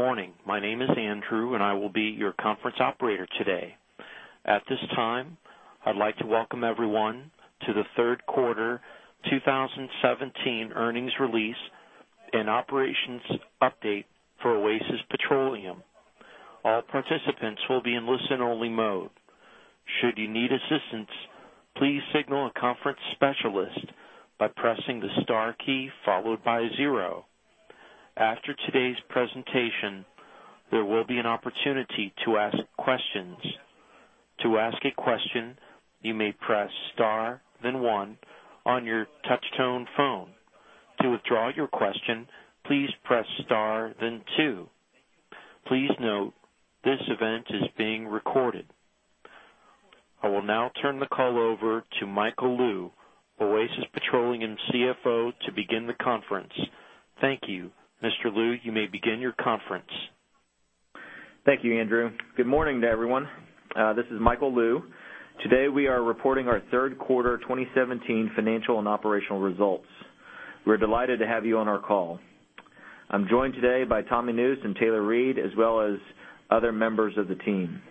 Good morning. My name is Andrew. I will be your conference operator today. At this time, I'd like to welcome everyone to the third quarter 2017 earnings release and operations update for Oasis Petroleum. All participants will be in listen-only mode. Should you need assistance, please signal a conference specialist by pressing the star key followed by zero. After today's presentation, there will be an opportunity to ask questions. To ask a question, you may press star then one on your touch tone phone. To withdraw your question, please press star, then two. Please note, this event is being recorded. I will now turn the call over to Michael Lou, Oasis Petroleum CFO, to begin the conference. Thank you. Mr. Lou, you may begin your conference. Thank you, Andrew. Good morning to everyone. This is Michael Lou. Today, we are reporting our third quarter 2017 financial and operational results. We're delighted to have you on our call. I'm joined today by Thomas Nusz and Taylor Reid, as well as other members of the team.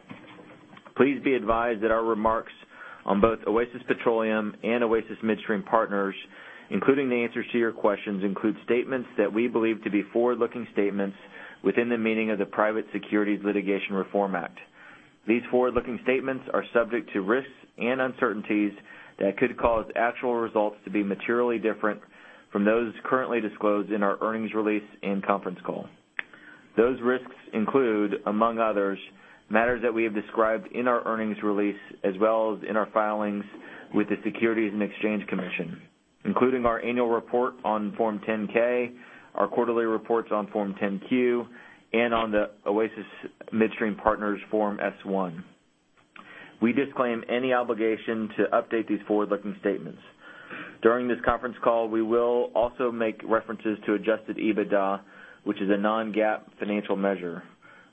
Please be advised that our remarks on both Oasis Petroleum and Oasis Midstream Partners, including the answers to your questions, include statements that we believe to be forward-looking statements within the meaning of the Private Securities Litigation Reform Act. These forward-looking statements are subject to risks and uncertainties that could cause actual results to be materially different from those currently disclosed in our earnings release and conference call. Those risks include, among others, matters that we have described in our earnings release as well as in our filings with the Securities and Exchange Commission, including our annual report on Form 10-K, our quarterly reports on Form 10-Q, and on the Oasis Midstream Partners Form S-1. We disclaim any obligation to update these forward-looking statements. During this conference call, we will also make references to adjusted EBITDA, which is a non-GAAP financial measure.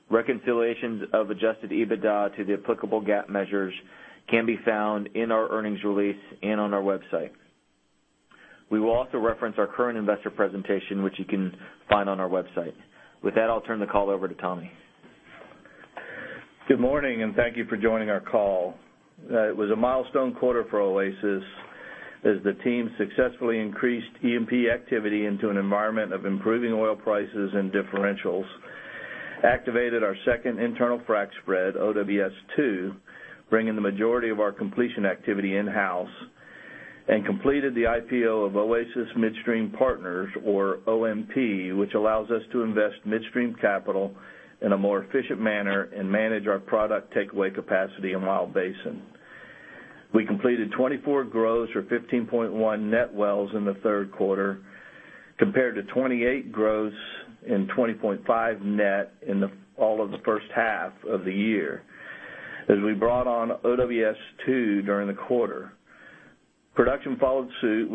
Reconciliations of adjusted EBITDA to the applicable GAAP measures can be found in our earnings release and on our website. We will also reference our current investor presentation, which you can find on our website. With that, I'll turn the call over to Tommy. Good morning. Thank you for joining our call. It was a milestone quarter for Oasis as the team successfully increased E&P activity into an environment of improving oil prices and differentials, activated our second internal frac spread, OWS Two, bringing the majority of our completion activity in-house, and completed the IPO of Oasis Midstream Partners or OMP, which allows us to invest midstream capital in a more efficient manner and manage our product takeaway capacity in Wild Basin. We completed 24 gross or 15.1 net wells in the third quarter, compared to 28 gross and 20.5 net in all of the first half of the year, as we brought on OWS Two during the quarter. Production followed suit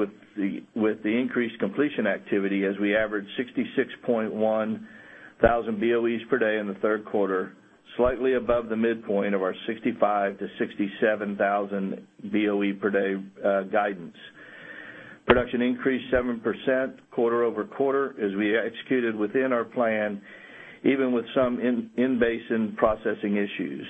with the increased completion activity as we averaged 66.1 thousand BOEs per day in the third quarter, slightly above the midpoint of our 65,000-67,000 BOE per day guidance. Production increased 7% quarter-over-quarter as we executed within our plan, even with some in-basin processing issues.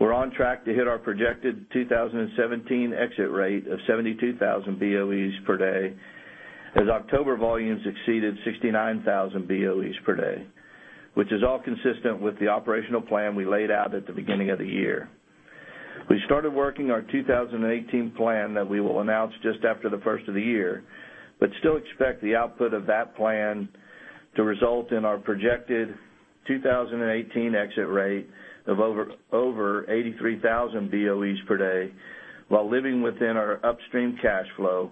We're on track to hit our projected 2017 exit rate of 72,000 BOEs per day, as October volumes exceeded 69,000 BOEs per day, which is all consistent with the operational plan we laid out at the beginning of the year. Still expect the output of that plan to result in our projected 2018 exit rate of over 83,000 BOEs per day, while living within our upstream cash flow,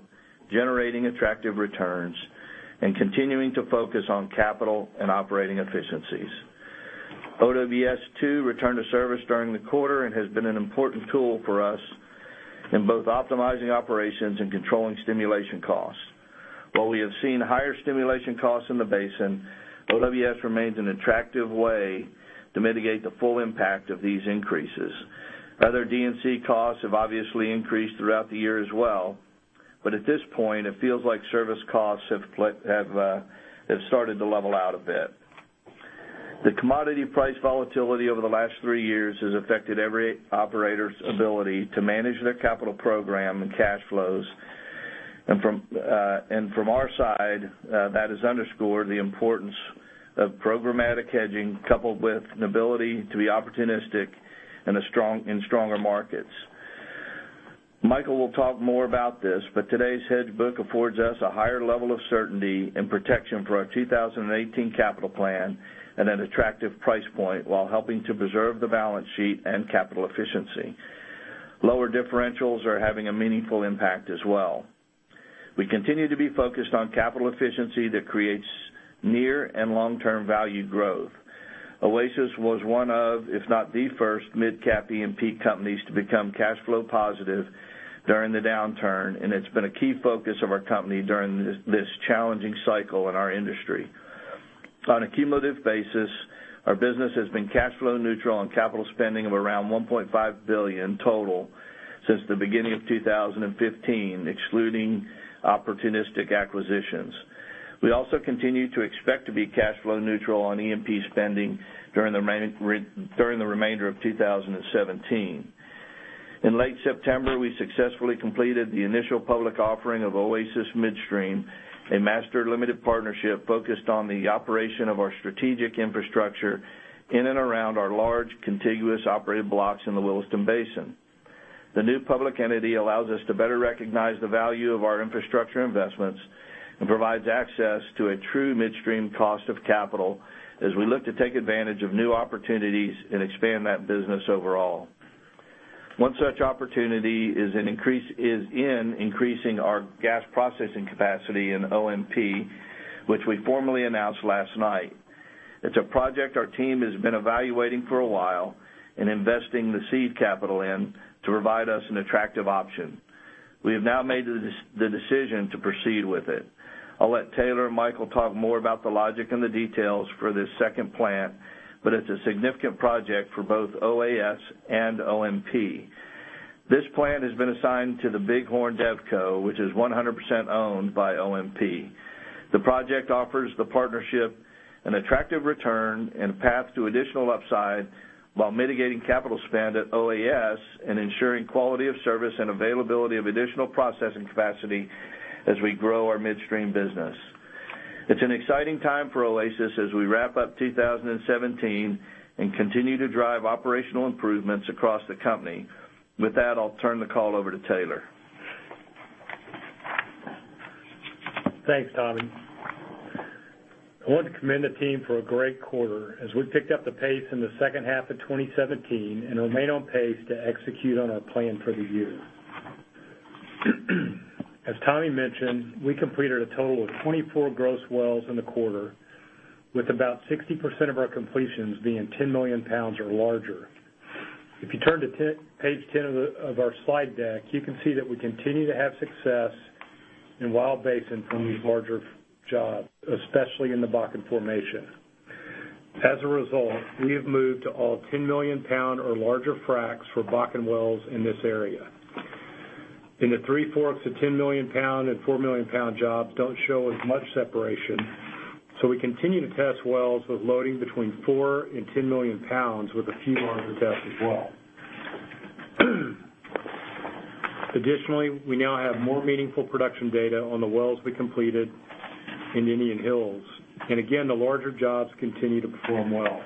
generating attractive returns, and continuing to focus on capital and operating efficiencies. OWS Two returned to service during the quarter and has been an important tool for us in both optimizing operations and controlling stimulation costs. While we have seen higher stimulation costs in the basin, OWS remains an attractive way to mitigate the full impact of these increases. Other DUC costs have obviously increased throughout the year as well, but at this point, it feels like service costs have started to level out a bit. The commodity price volatility over the last three years has affected every operator's ability to manage their capital program and cash flows. From our side, that has underscored the importance of programmatic hedging coupled with an ability to be opportunistic in stronger markets. Michael will talk more about this, today's hedge book affords us a higher level of certainty and protection for our 2018 capital plan at an attractive price point while helping to preserve the balance sheet and capital efficiency. Lower differentials are having a meaningful impact as well. We continue to be focused on capital efficiency that creates near and long-term value growth. Oasis was one of, if not the first, midcap E&P companies to become cash flow positive during the downturn, and it's been a key focus of our company during this challenging cycle in our industry. On a cumulative basis, our business has been cash flow neutral on capital spending of around $1.5 billion total since the beginning of 2015, excluding opportunistic acquisitions. We also continue to expect to be cash flow neutral on E&P spending during the remainder of 2017. In late September, we successfully completed the initial public offering of Oasis Midstream, a master limited partnership focused on the operation of our strategic infrastructure in and around our large contiguous operated blocks in the Williston Basin. The new public entity allows us to better recognize the value of our infrastructure investments and provides access to a true midstream cost of capital as we look to take advantage of new opportunities and expand that business overall. One such opportunity is in increasing our gas processing capacity in OMP, which we formally announced last night. It's a project our team has been evaluating for a while and investing the seed capital in to provide us an attractive option. We have now made the decision to proceed with it. I'll let Taylor and Michael talk more about the logic and the details for this second plant, but it's a significant project for both OAS and OMP. This plant has been assigned to the Bighorn DevCo, which is 100% owned by OMP. The project offers the partnership an attractive return and path to additional upside while mitigating capital spend at OAS and ensuring quality of service and availability of additional processing capacity as we grow our midstream business. It's an exciting time for Oasis as we wrap up 2017 and continue to drive operational improvements across the company. With that, I'll turn the call over to Taylor. Thanks, Tommy. I want to commend the team for a great quarter as we picked up the pace in the second half of 2017 and remain on pace to execute on our plan for the year. As Tommy mentioned, we completed a total of 24 gross wells in the quarter, with about 60% of our completions being 10 million pounds or larger. If you turn to page 10 of our slide deck, you can see that we continue to have success in Wild Basin from these larger jobs, especially in the Bakken formation. As a result, we have moved to all 10-million pound or larger fracs for Bakken wells in this area. In the Three Forks, the 10-million pound and four-million-pound jobs don't show as much separation, we continue to test wells with loading between four and 10 million pounds, with a few larger tests as well. Additionally, we now have more meaningful production data on the wells we completed in Indian Hills, and again, the larger jobs continue to perform well.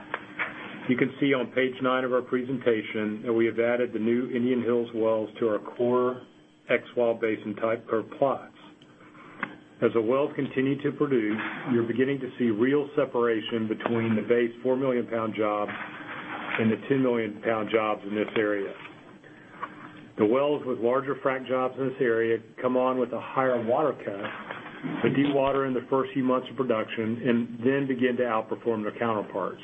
You can see on page nine of our presentation that we have added the new Indian Hills wells to our core X Wild Basin type curve plots. As the wells continue to produce, we are beginning to see real separation between the base four-million-pound jobs and the 10-million-pound jobs in this area. The wells with larger frac jobs in this area come on with a higher water cut, dewater in the first few months of production and then begin to outperform their counterparts.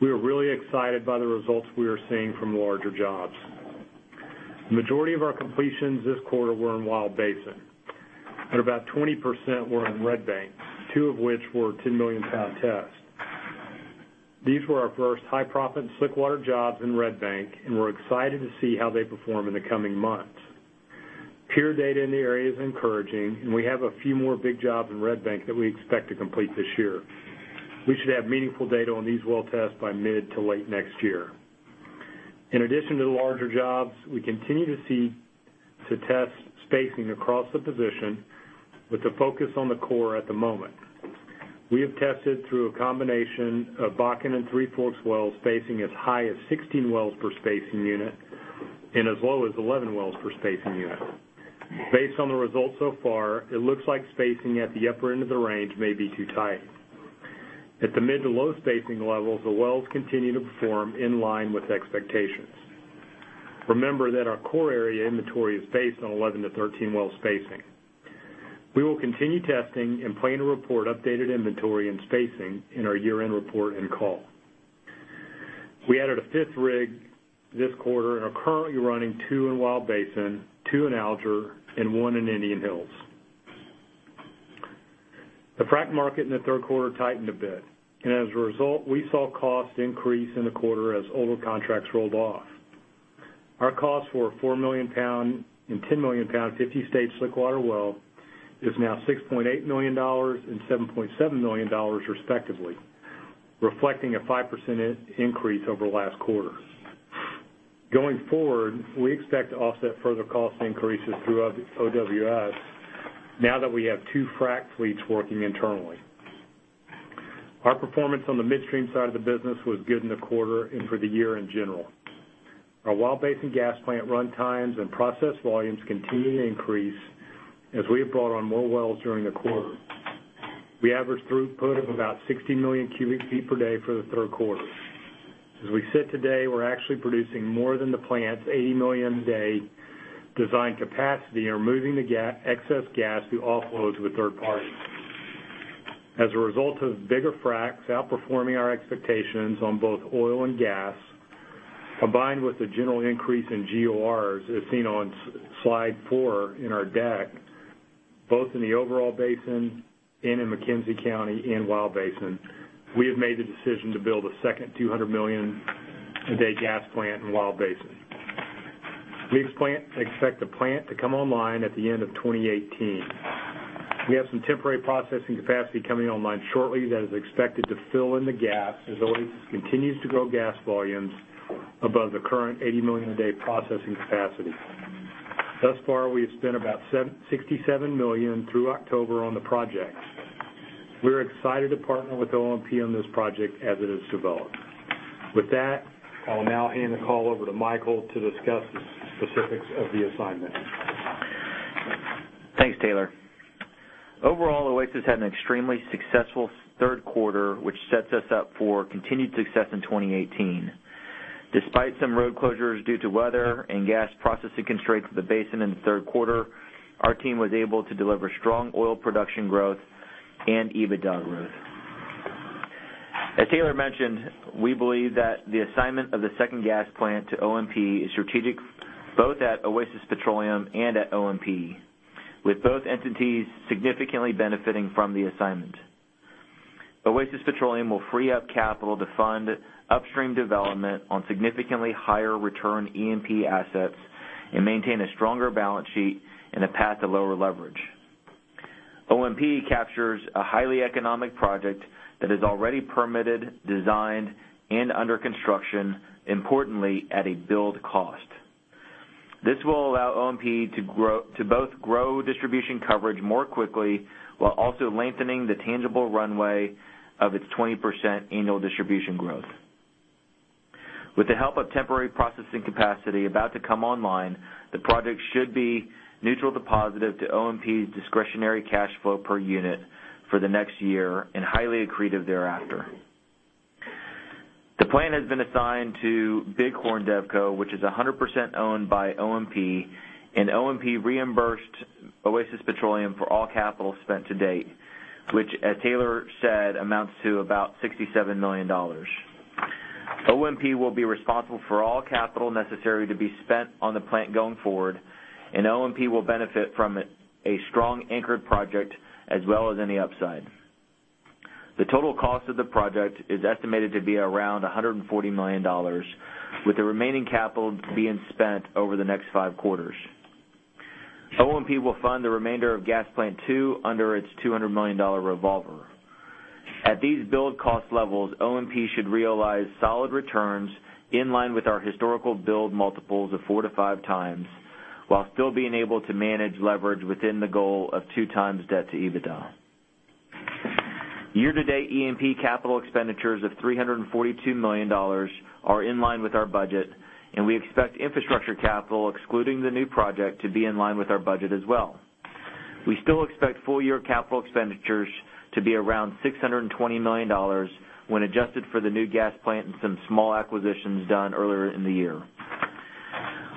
We are really excited by the results we are seeing from larger jobs. The majority of our completions this quarter were in Wild Basin, and about 20% were in Red Bank, two of which were 10-million-pound tests. These were our first high-proppant slickwater jobs in Red Bank, we're excited to see how they perform in the coming months. Peer data in the area is encouraging, we have a few more big jobs in Red Bank that we expect to complete this year. We should have meaningful data on these well tests by mid to late next year. In addition to the larger jobs, we continue to test spacing across the position with the focus on the core at the moment. We have tested through a combination of Bakken and Three Forks wells, spacing as high as 16 wells per spacing unit and as low as 11 wells per spacing unit. Based on the results so far, it looks like spacing at the upper end of the range may be too tight. At the mid to low spacing levels, the wells continue to perform in line with expectations. Remember that our core area inventory is based on 11-13 well spacing. We will continue testing and plan to report updated inventory and spacing in our year-end report and call. We added a fifth rig this quarter and are currently running two in Wild Basin, two in Alger, and one in Indian Hills. The frac market in the third quarter tightened a bit, and as a result, we saw costs increase in the quarter as older contracts rolled off. Our costs for a 4 million-pound and 10 million-pound 50-stage slickwater well is now $6.8 million and $7.7 million respectively, reflecting a 5% increase over last quarter. Going forward, we expect to offset further cost increases through OWS now that we have two frac fleets working internally. Our performance on the midstream side of the business was good in the quarter and for the year in general. Our Wild Basin gas plant runtimes and process volumes continue to increase as we have brought on more wells during the quarter. We averaged throughput of about 60 million cubic feet per day for the third quarter. As we sit today, we are actually producing more than the plant's 80 million a day design capacity and are moving the excess gas to offload to a third party. As a result of bigger fracs outperforming our expectations on both oil and gas combined with the general increase in GORs as seen on slide four in our deck, both in the overall basin and in McKenzie County in Wild Basin, we have made the decision to build a second 200 million a day gas plant in Wild Basin. We expect the plant to come online at the end of 2018. We have some temporary processing capacity coming online shortly that is expected to fill in the gap as oil continues to grow gas volumes above the current 80 million a day processing capacity. Thus far, we have spent about $67 million through October on the project. We are excited to partner with OMP on this project as it is developed. With that, I will now hand the call over to Michael to discuss the specifics of the assignment. Thanks, Taylor. Overall, Oasis had an extremely successful third quarter, which sets us up for continued success in 2018. Despite some road closures due to weather and gas processing constraints at the basin in the third quarter, our team was able to deliver strong oil production growth and EBITDA growth. As Taylor mentioned, we believe that the assignment of the second gas plant to OMP is strategic, both at Oasis Petroleum and at OMP, with both entities significantly benefiting from the assignment. Oasis Petroleum will free up capital to fund upstream development on significantly higher return E&P assets and maintain a stronger balance sheet and a path to lower leverage. OMP captures a highly economic project that is already permitted, designed, and under construction, importantly, at a build cost. This will allow OMP to both grow distribution coverage more quickly while also lengthening the tangible runway of its 20% annual distribution growth. With the help of temporary processing capacity about to come online, the project should be neutral to positive to OMP's discretionary cash flow per unit for the next year and highly accretive thereafter. The plan has been assigned to Bighorn DevCo, which is 100% owned by OMP, and OMP reimbursed Oasis Petroleum for all capital spent to date, which, as Taylor said, amounts to about $67 million. OMP will be responsible for all capital necessary to be spent on the plant going forward, and OMP will benefit from a strong anchored project as well as any upside. The total cost of the project is estimated to be around $140 million, with the remaining capital being spent over the next five quarters. OMP will fund the remainder of gas plant 2 under its $200 million revolver. At these build cost levels, OMP should realize solid returns in line with our historical build multiples of four to five times, while still being able to manage leverage within the goal of two times debt to EBITDA. Year-to-date, E&P capital expenditures of $342 million are in line with our budget, and we expect infrastructure capital, excluding the new project, to be in line with our budget as well. We still expect full year capital expenditures to be around $620 million when adjusted for the new gas plant and some small acquisitions done earlier in the year.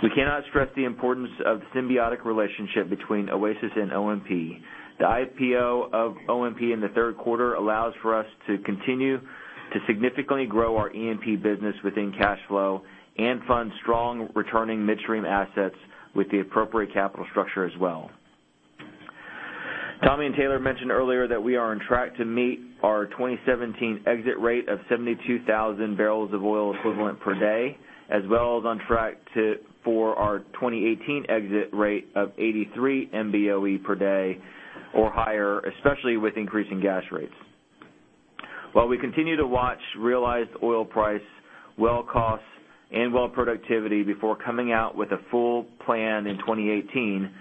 We cannot stress the importance of the symbiotic relationship between Oasis and OMP. The IPO of OMP in the third quarter allows for us to continue to significantly grow our E&P business within cash flow and fund strong returning midstream assets with the appropriate capital structure as well. Tommy and Taylor mentioned earlier that we are on track to meet our 2017 exit rate of 72,000 barrels of oil equivalent per day, as well as on track for our 2018 exit rate of 83 MBOE per day or higher, especially with increasing gas rates. While we continue to watch realized oil price, well costs, and well productivity before coming out with a full plan in 2018,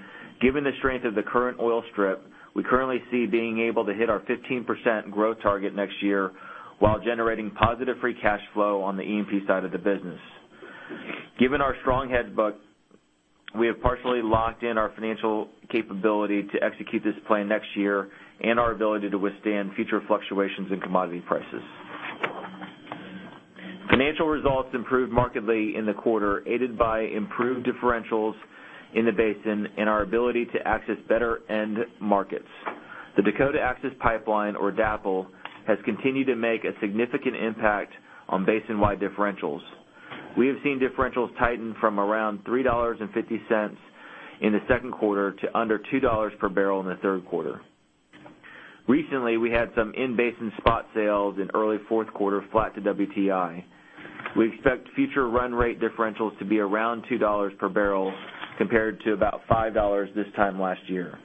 given the strength of the current oil strip, we currently see being able to hit our 15% growth target next year while generating positive free cash flow on the E&P side of the business. Given our strong hedge book, we have partially locked in our financial capability to execute this plan next year and our ability to withstand future fluctuations in commodity prices. Financial results improved markedly in the quarter, aided by improved differentials in the basin and our ability to access better end markets. The Dakota Access Pipeline, or DAPL, has continued to make a significant impact on basin-wide differentials. We have seen differentials tighten from around $3.50 in the second quarter to under $2 per barrel in the third quarter. Recently, we had some in-basin spot sales in early fourth quarter, flat to WTI. We expect future run rate differentials to be around $2 per barrel compared to about $5 this time last year.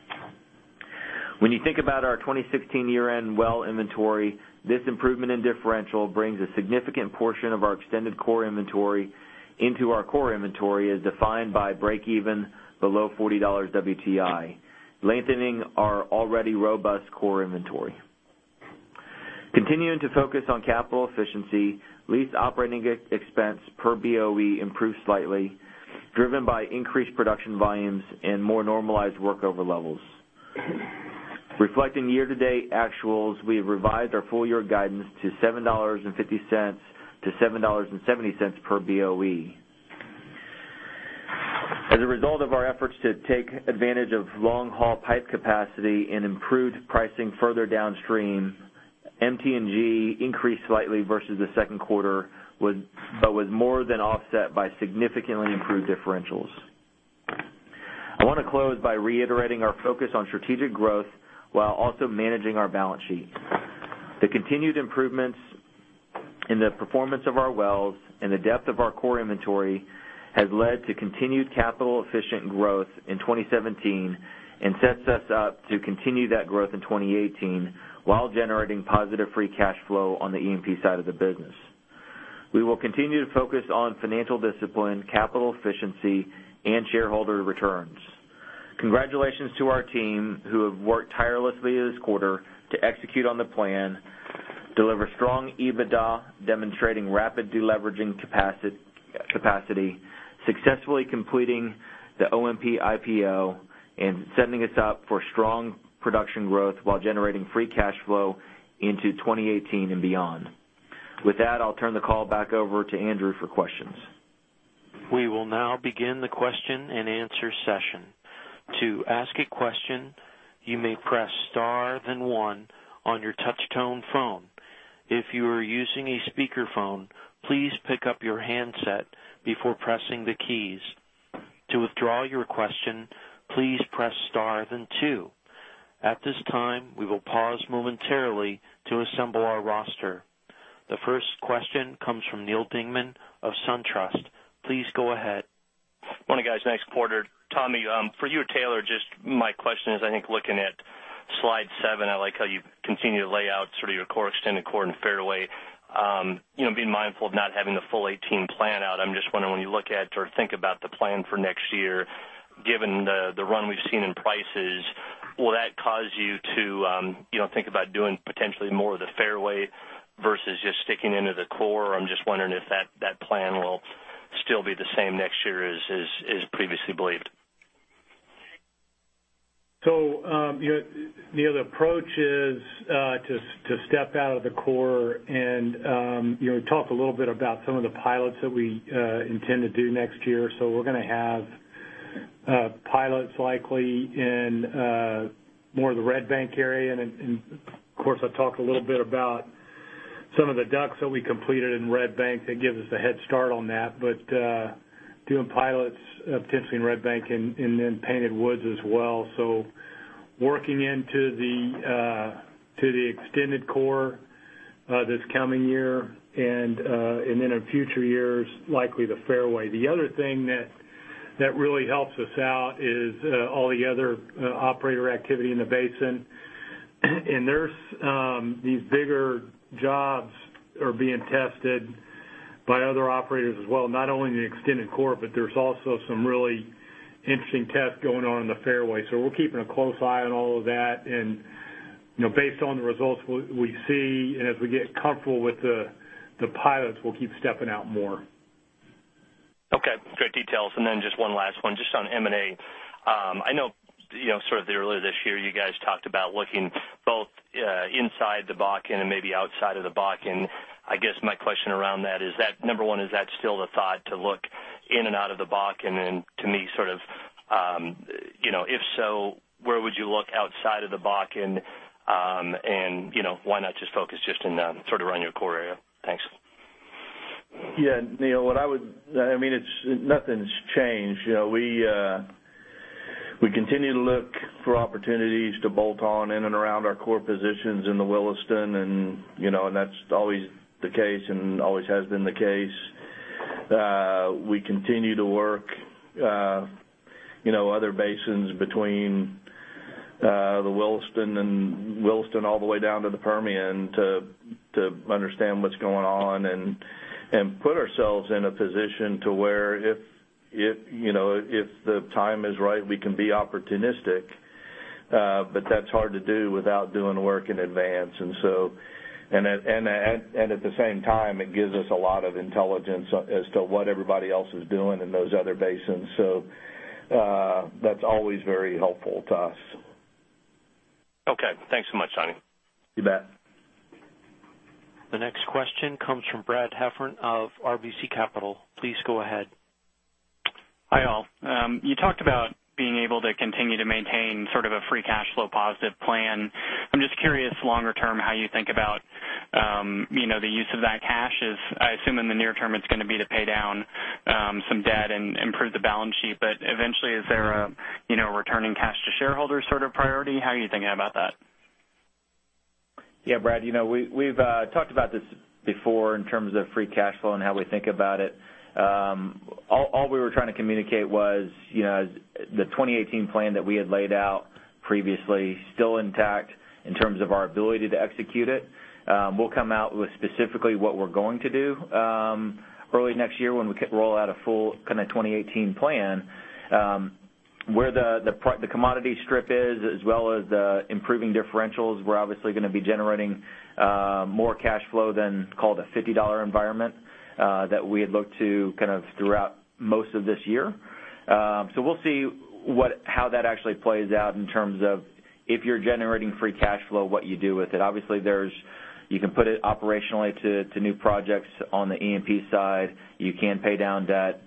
When you think about our 2016 year-end well inventory, this improvement in differential brings a significant portion of our extended core inventory into our core inventory as defined by break even below $40 WTI, lengthening our already robust core inventory. Continuing to focus on capital efficiency, lease operating expense per BOE improved slightly, driven by increased production volumes and more normalized workover levels. Reflecting year-to-date actuals, we have revised our full year guidance to $7.50 to $7.70 per BOE. As a result of our efforts to take advantage of long-haul pipe capacity and improved pricing further downstream, MT&G increased slightly versus the second quarter, but was more than offset by significantly improved differentials. I want to close by reiterating our focus on strategic growth while also managing our balance sheet. The continued improvements in the performance of our wells and the depth of our core inventory has led to continued capital-efficient growth in 2017, sets us up to continue that growth in 2018 while generating positive free cash flow on the E&P side of the business. We will continue to focus on financial discipline, capital efficiency, and shareholder returns. Congratulations to our team who have worked tirelessly this quarter to execute on the plan, deliver strong EBITDA, demonstrating rapid de-leveraging capacity, successfully completing the OMP IPO, setting us up for strong production growth while generating free cash flow into 2018 and beyond. I'll turn the call back over to Andrew for questions. We will now begin the question and answer session. To ask a question, you may press star then one on your touch tone phone. If you are using a speakerphone, please pick up your handset before pressing the keys. To withdraw your question, please press star then two. At this time, we will pause momentarily to assemble our roster. The first question comes from Neal Dingmann of SunTrust. Please go ahead. Morning, guys. Nice quarter. Tommy, for you or Taylor, just my question is, I think looking at slide seven, I like how you continue to lay out your core extended core and fairway. Being mindful of not having the full 18 plan out, I'm just wondering, when you look at or think about the plan for next year, given the run we've seen in prices, will that cause you to think about doing potentially more of the fairway versus just sticking into the core? I'm just wondering if that plan will still be the same next year as previously believed. Neal, the approach is to step out of the core and talk a little bit about some of the pilots that we intend to do next year. We're going to have pilots likely in more of the Red Bank area. Of course, I talked a little bit about some of the DUCs that we completed in Red Bank that give us a head start on that, but doing pilots potentially in Red Bank and then Painted Woods as well. Working into the extended core this coming year, and then in future years, likely the fairway. The other thing that really helps us out is all the other operator activity in the basin. These bigger jobs are being tested by other operators as well, not only in the extended core, but there's also some really interesting tests going on in the fairway. We're keeping a close eye on all of that, based on the results we see, as we get comfortable with the pilots, we'll keep stepping out more. Okay. Great details. Then just one last one, just on M&A. I know earlier this year, you guys talked about looking both inside the Bakken and maybe outside of the Bakken. I guess my question around that is, number 1, is that still the thought to look in and out of the Bakken? Then to me, if so, where would you look outside of the Bakken? Why not just focus just around your core area? Thanks. Yeah. Neal, nothing's changed. We continue to look for opportunities to bolt on in and around our core positions in the Williston, that's always the case and always has been the case. We continue to work other basins between the Williston all the way down to the Permian to understand what's going on, put ourselves in a position to where if the time is right, we can be opportunistic. That's hard to do without doing work in advance. At the same time, it gives us a lot of intelligence as to what everybody else is doing in those other basins. That's always very helpful to us. Okay. Thanks so much, Tommy. You bet. The next question comes from Brad Heffern of RBC Capital. Please go ahead. Hi, all. You talked about being able to continue to maintain a free cash flow positive plan. I'm just curious longer term, how you think about the use of that cash is, I assume in the near term it's going to be to pay down some debt and improve the balance sheet. Eventually, is there a returning cash to shareholders sort of priority? How are you thinking about that? Yeah, Brad, we've talked about this before in terms of free cash flow and how we think about it. All we were trying to communicate was the 2018 plan that we had laid out previously is still intact in terms of our ability to execute it. We'll come out with specifically what we're going to do early next year when we roll out a full 2018 plan. Where the commodity strip is, as well as the improving differentials, we're obviously going to be generating more cash flow than call it a $50 environment that we had looked to throughout most of this year. We'll see how that actually plays out in terms of if you're generating free cash flow, what you do with it. You can put it operationally to new projects on the E&P side. You can pay down debt.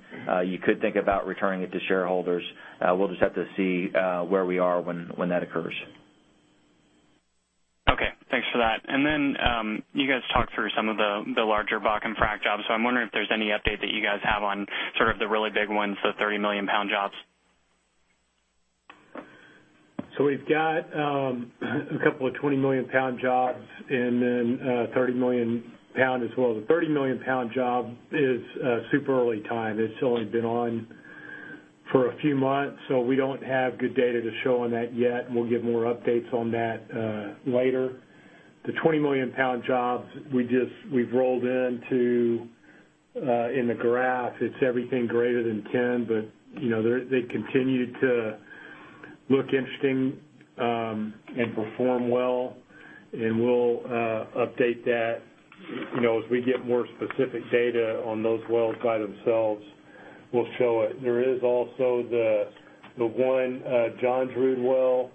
You could think about returning it to shareholders. We'll just have to see where we are when that occurs. Okay. Thanks for that. You guys talked through some of the larger frac jobs. I'm wondering if there's any update that you guys have on sort of the really big ones, the 30-million-pound jobs. We've got a couple of 20-million-pound jobs and then a 30-million-pound as well. The 30-million-pound job is super early time. It's only been on for a few months, so we don't have good data to show on that yet, and we'll give more updates on that later. The 20-million-pound jobs, we've rolled into the graph. It's everything greater than 10, but they continue to look interesting and perform well. We'll update that as we get more specific data on those wells by themselves. We'll show it. There is also the one Johnsrud well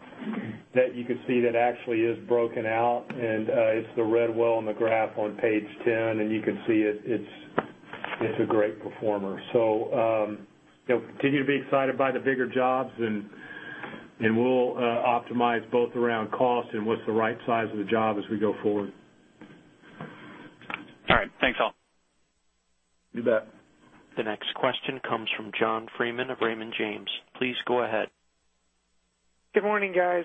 that you can see that actually is broken out, and it's the red well on the graph on page 10, and you can see it. It's a great performer. Continue to be excited by the bigger jobs, and we'll optimize both around cost and what's the right size of the job as we go forward. All right. Thanks, all. You bet. The next question comes from John Freeman of Raymond James. Please go ahead. Good morning, guys.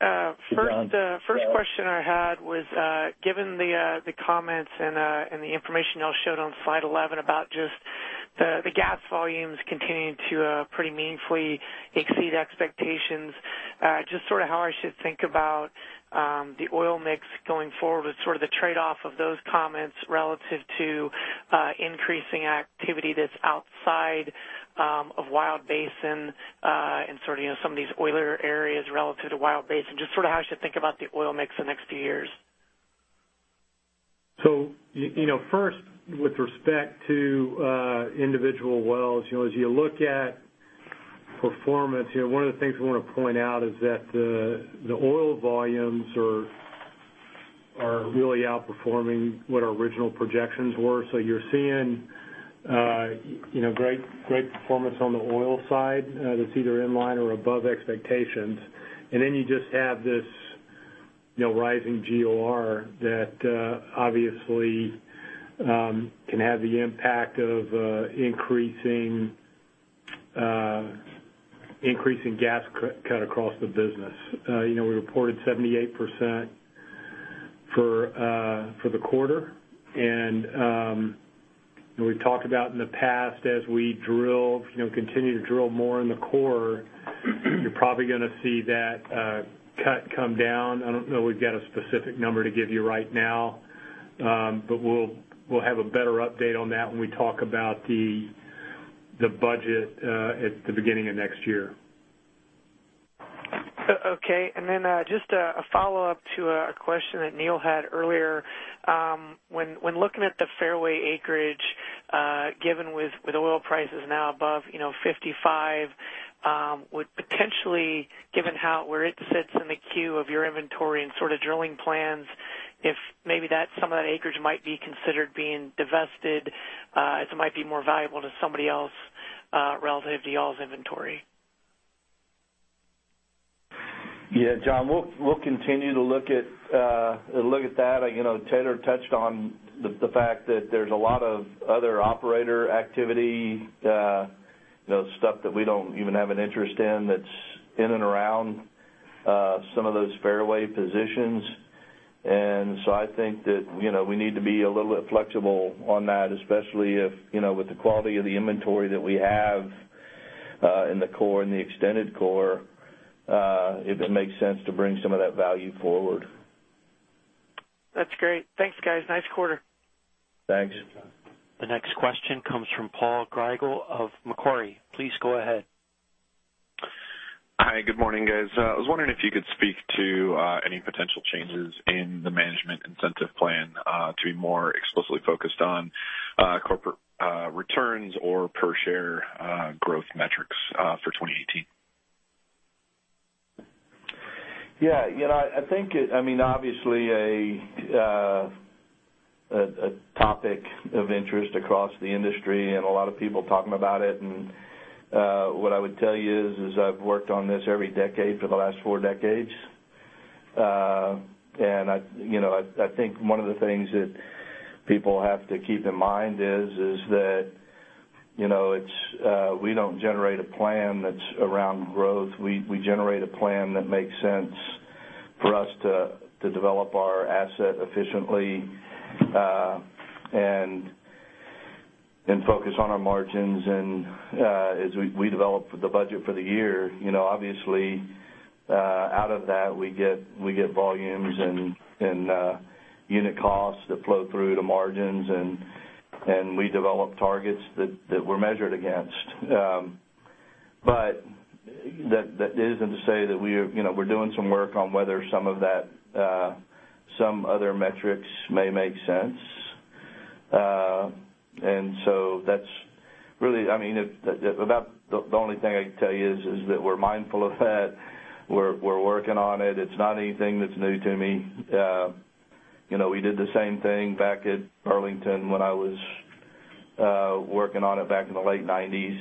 Hey, John. First question I had was given the comments and the information y'all showed on slide 11 about just the gas volumes continuing to pretty meaningfully exceed expectations, just sort of how I should think about the oil mix going forward with sort of the trade-off of those comments relative to increasing activity that's outside of Wild Basin and sort of some of these oiler areas relative to Wild Basin, just sort of how I should think about the oil mix the next few years. First, with respect to individual wells, as you look at performance, one of the things we want to point out is that the oil volumes are really outperforming what our original projections were. You're seeing great performance on the oil side that's either in line or above expectations. You just have this rising GOR that obviously can have the impact of increasing gas cut across the business. We reported 78% for the quarter. We've talked about in the past, as we continue to drill more in the core, you're probably going to see that cut come down. I don't know we've got a specific number to give you right now, but we'll have a better update on that when we talk about the budget at the beginning of next year. Okay. Just a follow-up to a question that Neal had earlier. When looking at the Fairway acreage given with oil prices now above 55, would potentially, given where it sits in the queue of your inventory and sort of drilling plans, if maybe some of that acreage might be considered being divested as it might be more valuable to somebody else relative to y'all's inventory? Yeah. John, we'll continue to look at that. Taylor touched on the fact that there's a lot of other operator activity, stuff that we don't even have an interest in that's in and around some of those Fairway positions. So I think that we need to be a little bit flexible on that, especially if, with the quality of the inventory that we have in the core and the extended core, if it makes sense to bring some of that value forward. That's great. Thanks, guys. Nice quarter. Thanks. The next question comes from Paul Grigel of Macquarie. Please go ahead. Hi. Good morning, guys. I was wondering if you could speak to any potential changes in the management incentive plan to be more explicitly focused on corporate returns or per share growth metrics for 2018. Yeah. I think, obviously, a topic of interest across the industry and a lot of people talking about it. What I would tell you is I've worked on this every decade for the last four decades. I think one of the things that people have to keep in mind is that we don't generate a plan that's around growth. We generate a plan that makes sense for us to develop our asset efficiently and focus on our margins. As we develop the budget for the year, obviously, out of that, we get volumes and unit costs that flow through to margins, and we develop targets that we're measured against. That isn't to say that we're doing some work on whether some other metrics may make sense. That's really, I mean, about the only thing I can tell you is that we're mindful of that. We're working on it. It's not anything that's new to me. We did the same thing back at Burlington when I was working on it back in the late '90s.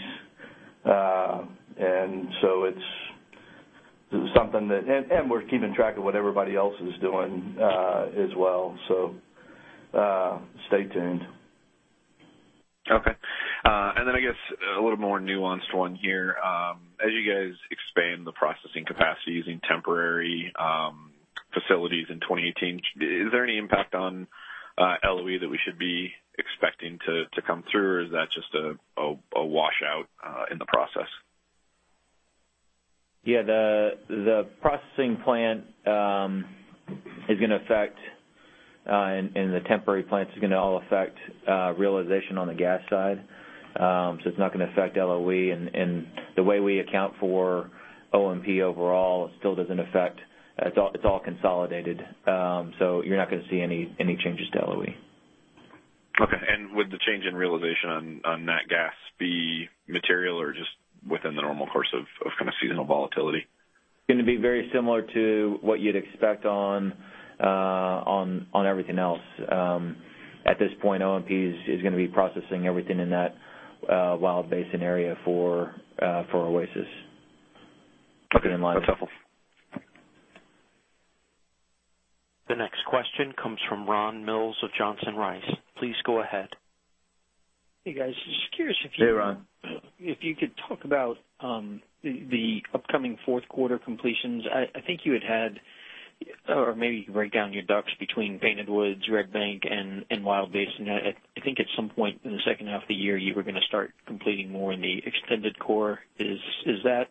We're keeping track of what everybody else is doing, as well. Stay tuned. Okay. I guess a little more nuanced one here. As you guys expand the processing capacity using temporary facilities in 2018, is there any impact on LOE that we should be expecting to come through? Is that just a washout in the process? Yeah. The processing plant is going to affect, and the temporary plants are going to all affect realization on the gas side. It's not going to affect LOE. The way we account for OMP overall, it's all consolidated. You're not going to see any changes to LOE. Okay. Would the change in realization on that gas be material or just within the normal course of kind of seasonal volatility? It's going to be very similar to what you'd expect on everything else. At this point, OMP is going to be processing everything in that Wild Basin area for Oasis. Okay. That's helpful. The next question comes from Ron Mills of Johnson Rice. Please go ahead. Hey, guys. Just curious. Hey, Ron. If you could talk about the upcoming fourth quarter completions. I think you had or maybe you could break down your DUCs between Painted Woods, Red Bank, and Wild Basin. I think at some point in the second half of the year, you were going to start completing more in the extended core. Is that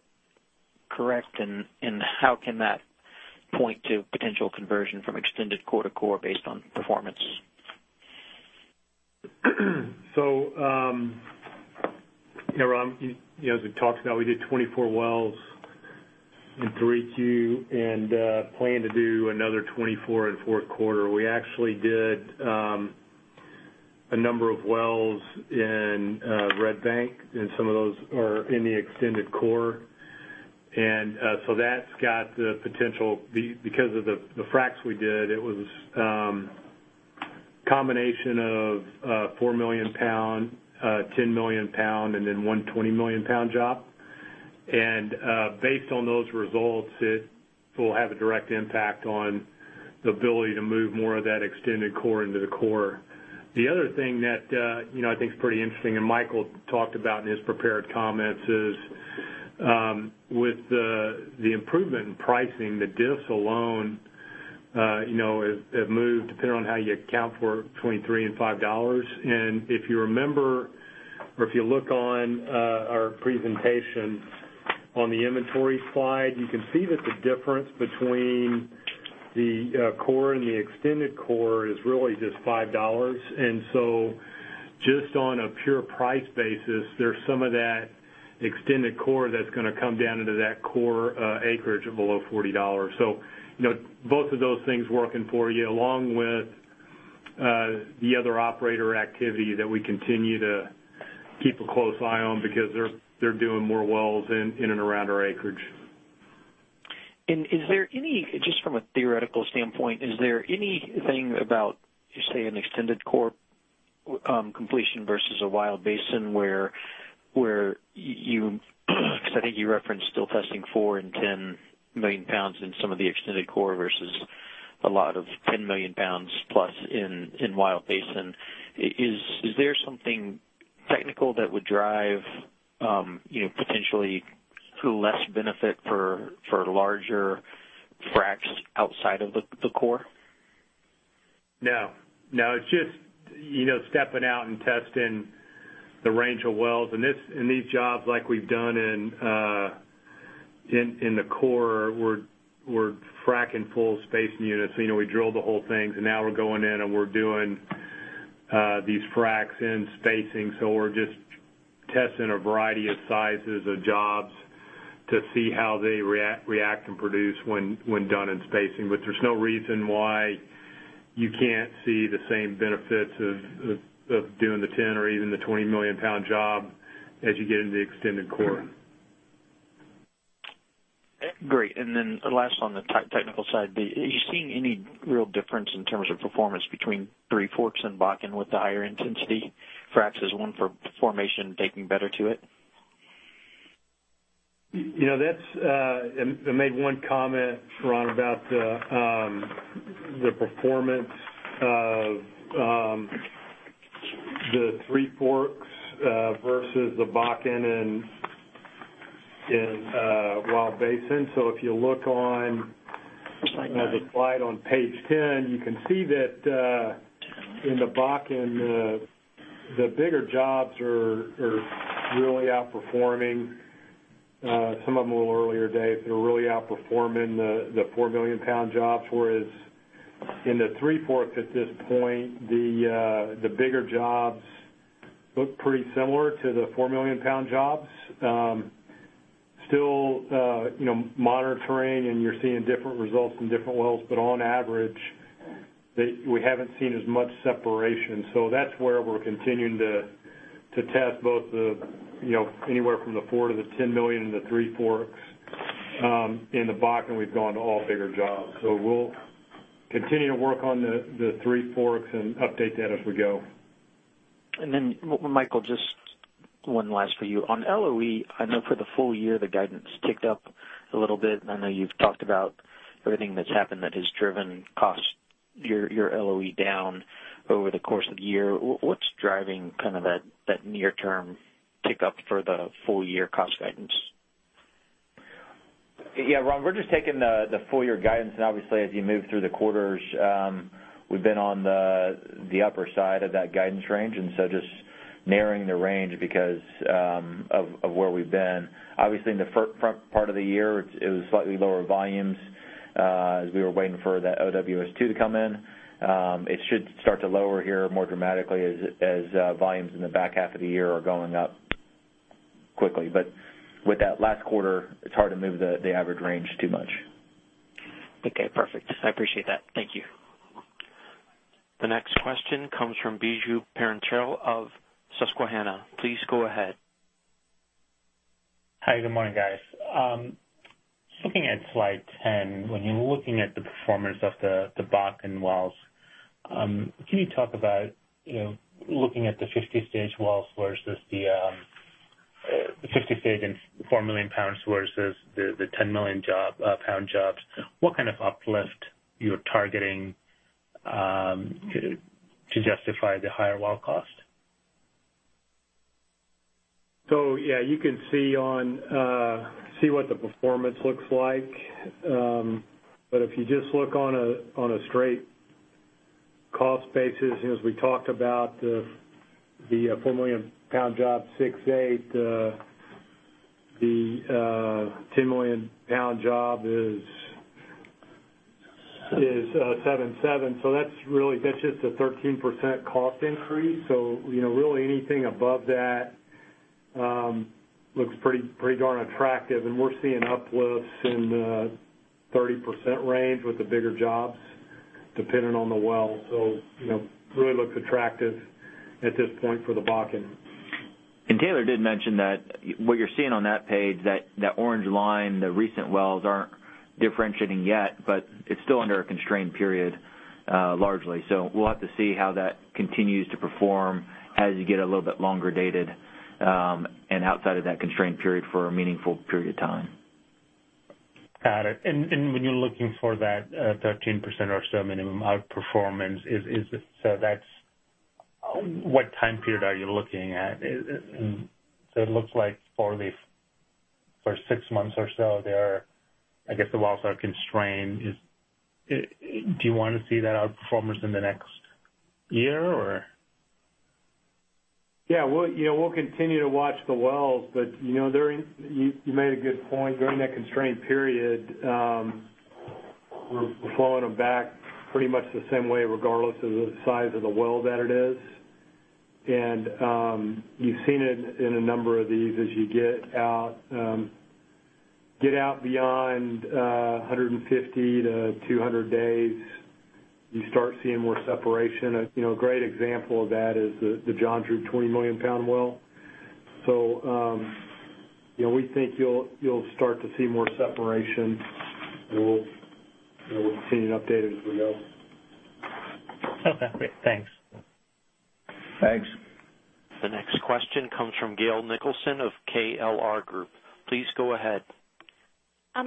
correct? How can that point to potential conversion from extended core to core based on performance? Ron, as we talked about, we did 24 wells in 3Q, plan to do another 24 in fourth quarter. We actually did a number of wells in Red Bank, some of those are in the extended core. That's got the potential, because of the fracs we did, it was combination of 4 million pound, 10 million pound, and then one 20 million pound job. Based on those results, it will have a direct impact on the ability to move more of that extended core into the core. The other thing that I think is pretty interesting, Michael talked about in his prepared comments, is with the improvement in pricing, the diffs alone have moved depending on how you account for between $3 and $5. If you remember, or if you look on our presentation on the inventory slide, you can see that the difference between the core and the extended core is really just $5. Just on a pure price basis, there's some of that extended core that's going to come down into that core acreage of below $40. Both of those things working for you, along with the other operator activity that we continue to keep a close eye on because they're doing more wells in and around our acreage. Just from a theoretical standpoint, is there anything about, say, an extended core completion versus a Wild Basin where you because I think you referenced still testing 4 and 10 million pounds in some of the extended core versus a lot of 10 million pounds plus in Wild Basin. Is there something technical that would drive potentially less benefit for larger fracs outside of the core? No. It's just stepping out and testing the range of wells. In these jobs like we've done in the core, we're fracing full spacing units. We drill the whole thing, now we're going in and we're doing these fracs in spacing. There's no reason why you can't see the same benefits of doing the 10 or even the 20 million pound job as you get into the extended core. Last on the technical side, are you seeing any real difference in terms of performance between Three Forks and Bakken with the higher intensity fracs? Is one formation taking better to it? I made one comment, Ron, about the performance of the Three Forks versus the Bakken and Wild Basin. If you look on the slide on page 10, you can see that in the Bakken, the bigger jobs are really outperforming some of them a little earlier date. They're really outperforming the 4 million pound jobs, whereas in the Three Forks at this point, the bigger jobs look pretty similar to the 4 million pound jobs. Still monitoring, and you're seeing different results in different wells. On average, we haven't seen as much separation. That's where we're continuing to test both the anywhere from the 4 to 10 million in the Three Forks in the Bakken. We've gone to all bigger jobs. We'll continue to work on the Three Forks and update that as we go. Michael, just one last for you. On LOE, I know for the full year, the guidance ticked up a little bit, and I know you've talked about everything that's happened that has driven your LOE down over the course of the year. What's driving that near term tick up for the full-year cost guidance? Ron, we're just taking the full-year guidance, and obviously, as you move through the quarters, we've been on the upper side of that guidance range. Just narrowing the range because of where we've been. Obviously, in the front part of the year, it was slightly lower volumes, as we were waiting for that OWS Two to come in. It should start to lower here more dramatically as volumes in the back half of the year are going up quickly. With that last quarter, it's hard to move the average range too much. Okay, perfect. I appreciate that. Thank you. The next question comes from Biju Perincheril of Susquehanna. Please go ahead. Hi, good morning, guys. Looking at slide 10, when you were looking at the performance of the Bakken wells, can you talk about looking at the 50-stage wells versus the 50-stage and 4 million pounds versus the 10 million pound jobs, what kind of uplift you're targeting to justify the higher well cost? Yeah, you can see what the performance looks like. If you just look on a straight cost basis, as we talked about, the 4 million pound job, $6.8 million. The 10 million pound job is $7.7 million. That's just a 13% cost increase. Really anything above that looks pretty darn attractive. We're seeing uplifts in the 30% range with the bigger jobs, depending on the well. Really looks attractive at this point for the Bakken. Taylor did mention that what you're seeing on that page, that orange line, the recent wells aren't differentiating yet, but it's still under a constrained period, largely. We'll have to see how that continues to perform as you get a little bit longer dated, and outside of that constraint period for a meaningful period of time. Got it. When you're looking for that 13% or so minimum out-performance, what time period are you looking at? It looks like for six months or so there, I guess the wells are constrained. Do you want to see that out-performance in the next year or? Yeah. We'll continue to watch the wells, but you made a good point. During that constrained period, we're flowing them back pretty much the same way, regardless of the size of the well that it is. You've seen it in a number of these as you get out beyond 150 to 200 days, you start seeing more separation. A great example of that is the John Drew 20 million pound well. We think you'll start to see more separation, and we'll continue to update it as we go. Okay, great. Thanks. Thanks. The next question comes from Gail Nicholson of KLR Group. Please go ahead.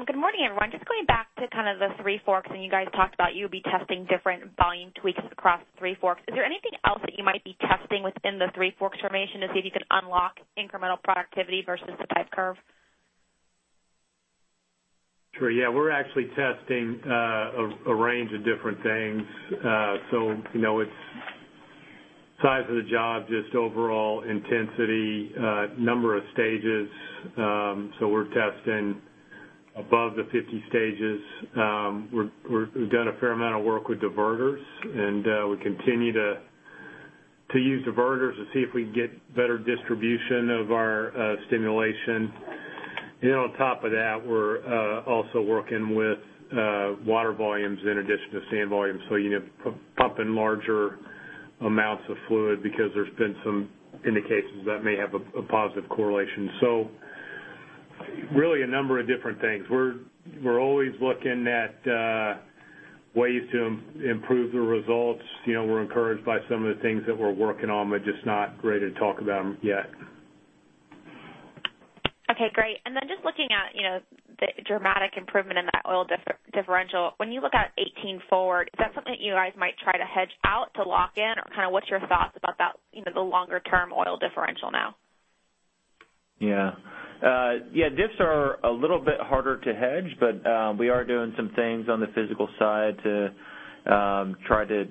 Good morning, everyone. Just going back to kind of the Three Forks, you guys talked about you'll be testing different volume tweaks across Three Forks. Is there anything else that you might be testing within the Three Forks formation to see if you can unlock incremental productivity versus the type curve? Sure. Yeah, we're actually testing a range of different things. It's size of the job, just overall intensity, number of stages. We're testing above the 50 stages. We've done a fair amount of work with diverters, we continue to use diverters to see if we can get better distribution of our stimulation. On top of that, we're also working with water volumes in addition to sand volumes, pumping larger amounts of fluid because there's been some indications that may have a positive correlation. Really a number of different things. We're always looking at ways to improve the results. We're encouraged by some of the things that we're working on, we're just not ready to talk about them yet. Okay, great. Just looking at the dramatic improvement in that oil differential. When you look out 18 forward, is that something that you guys might try to hedge out to lock in? What's your thoughts about the longer-term oil differential now? Yeah. Diffs are a little bit harder to hedge, but we are doing some things on the physical side to try to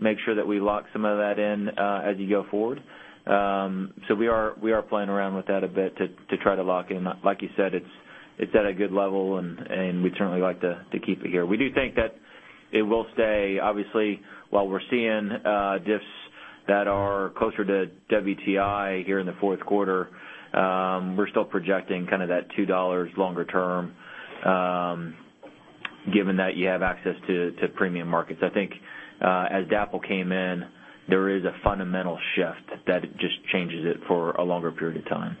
make sure that we lock some of that in as you go forward. We are playing around with that a bit to try to lock in. Like you said, it's at a good level, and we'd certainly like to keep it here. We do think that it will stay. Obviously, while we're seeing diffs that are closer to WTI here in the fourth quarter, we're still projecting kind of that $2 longer term, given that you have access to premium markets. I think, as DAPL came in, there is a fundamental shift that it just changes it for a longer period of time.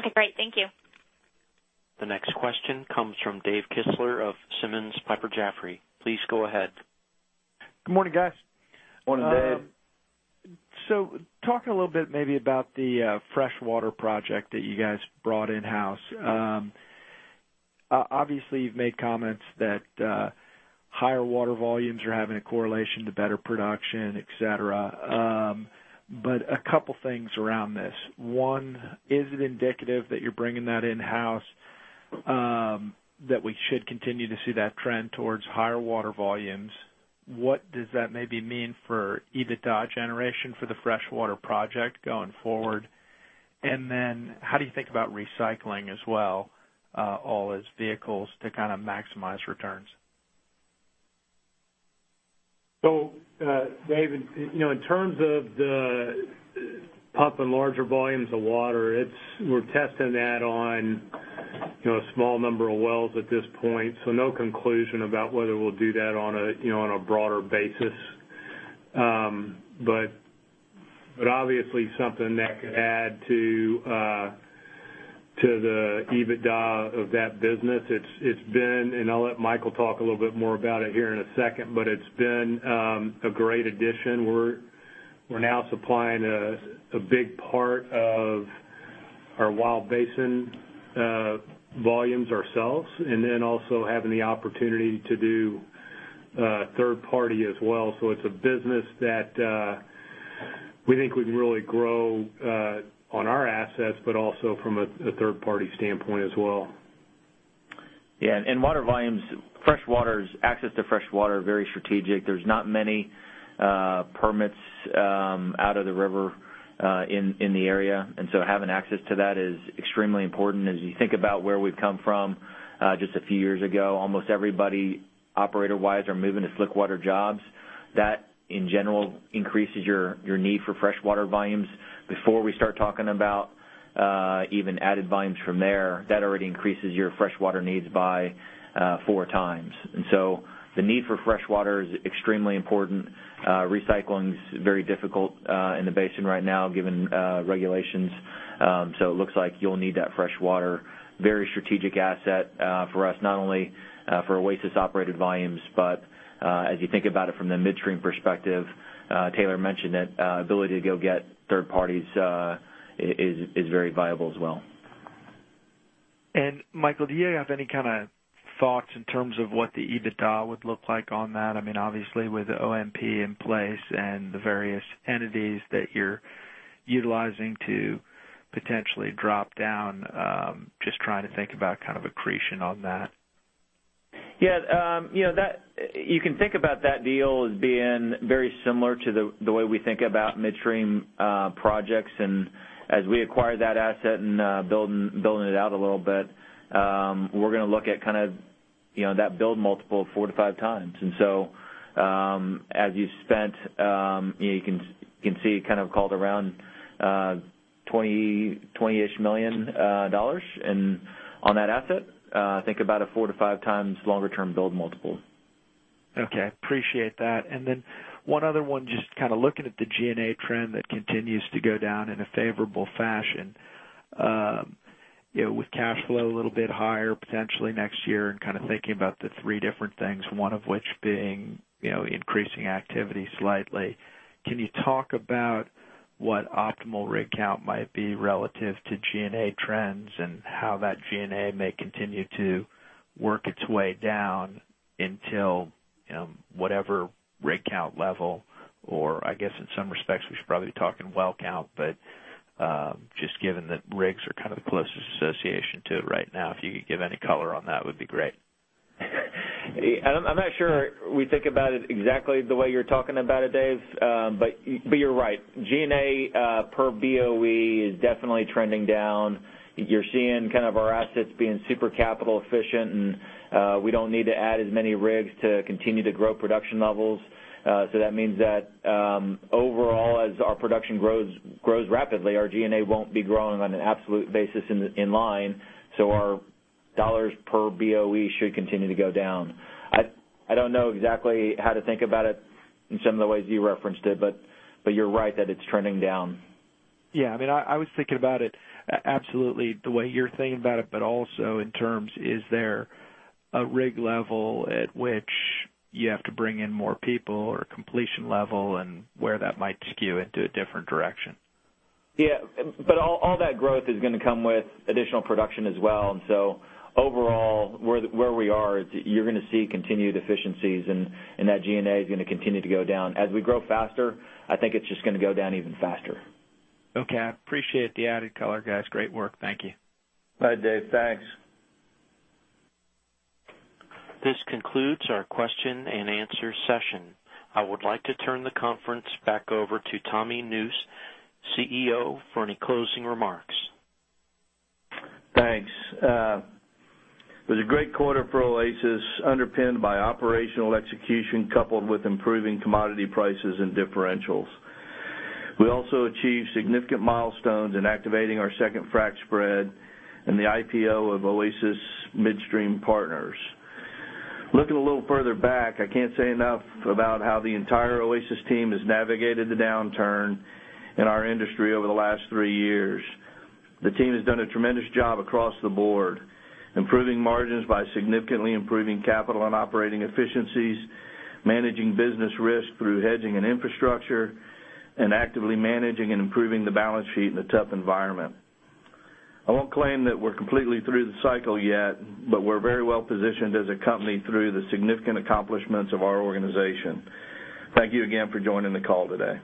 Okay, great. Thank you. The next question comes from Dave Kistler of Simmons Piper Jaffray. Please go ahead. Good morning, guys. Morning, Dave. Talk a little bit maybe about the freshwater project that you guys brought in-house. Obviously, you've made comments that higher water volumes are having a correlation to better production, et cetera. A couple things around this. One, is it indicative that you're bringing that in-house, that we should continue to see that trend towards higher water volumes? What does that maybe mean for EBITDA generation for the freshwater project going forward? How do you think about recycling as well, all as vehicles to maximize returns? Dave, in terms of the pumping larger volumes of water, we're testing that on a small number of wells at this point. No conclusion about whether we'll do that on a broader basis. Obviously, something that could add to the EBITDA of that business. It's been, and I'll let Michael talk a little bit more about it here in a second, but it's been a great addition. We're now supplying a big part of our Wild Basin volumes ourselves, and then also having the opportunity to do third party as well. It's a business that we think we can really grow on our assets, but also from a third-party standpoint as well. Water volumes, access to freshwater are very strategic. There's not many permits out of the river in the area. Having access to that is extremely important. As you think about where we've come from, just a few years ago, almost everybody operator-wise are moving to slickwater jobs. That, in general, increases your need for freshwater volumes. Before we start talking about even added volumes from there, that already increases your freshwater needs by four times. The need for freshwater is extremely important. Recycling is very difficult in the basin right now given regulations. It looks like you'll need that freshwater. Very strategic asset for us, not only for Oasis-operated volumes, but as you think about it from the midstream perspective, Taylor mentioned that ability to go get third parties is very viable as well. Michael, do you have any kind of thoughts in terms of what the EBITDA would look like on that? Obviously, with the OMP in place and the various entities that you're utilizing to potentially drop down, just trying to think about kind of accretion on that. Yeah. You can think about that deal as being very similar to the way we think about midstream projects. As we acquire that asset and building it out a little bit, we're going to look at that build multiple four to five times. As you spent, you can see it called around $20-ish million on that asset. Think about a four to five times longer-term build multiple. Okay. Appreciate that. Then one other one, just kind of looking at the G&A trend that continues to go down in a favorable fashion. With cash flow a little bit higher potentially next year and kind of thinking about the three different things, one of which being increasing activity slightly. Can you talk about what optimal rig count might be relative to G&A trends and how that G&A may continue to work its way down until whatever rig count level, or I guess in some respects, we should probably be talking well count, but just given that rigs are kind of the closest association to it right now. If you could give any color on that would be great. I'm not sure we think about it exactly the way you're talking about it, Dave. You're right. G&A per BOE is definitely trending down. You're seeing our assets being super capital efficient, and we don't need to add as many rigs to continue to grow production levels. That means that overall, as our production grows rapidly, our G&A won't be growing on an absolute basis in line. Our dollars per BOE should continue to go down. I don't know exactly how to think about it in some of the ways you referenced it, but you're right that it's trending down. I was thinking about it absolutely the way you're thinking about it, also in terms, is there a rig level at which you have to bring in more people or a completion level and where that might skew into a different direction? Yeah. All that growth is going to come with additional production as well. Overall, where we are, you're going to see continued efficiencies, and that G&A is going to continue to go down. As we grow faster, I think it's just going to go down even faster. Okay. I appreciate the added color, guys. Great work. Thank you. Bye, Dave. Thanks. This concludes our question and answer session. I would like to turn the conference back over to Tommy Nusz, CEO, for any closing remarks. Thanks. It was a great quarter for Oasis, underpinned by operational execution coupled with improving commodity prices and differentials. We also achieved significant milestones in activating our second frac spread and the IPO of Oasis Midstream Partners. Looking a little further back, I can't say enough about how the entire Oasis team has navigated the downturn in our industry over the last three years. The team has done a tremendous job across the board, improving margins by significantly improving capital and operating efficiencies, managing business risk through hedging and infrastructure, and actively managing and improving the balance sheet in a tough environment. I won't claim that we're completely through the cycle yet, but we're very well positioned as a company through the significant accomplishments of our organization. Thank you again for joining the call today.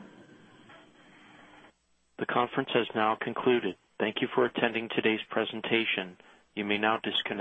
The conference has now concluded. Thank you for attending today's presentation. You may now disconnect.